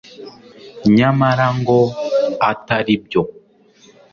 nyamara ngo atari byo.